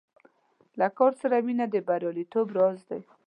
له کار سره مینه د بریالیتوب راز دی.